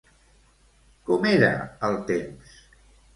Com era el temps?